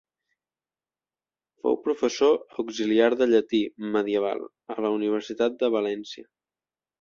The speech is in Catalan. Fou professor auxiliar de llatí medieval a la Universitat de València.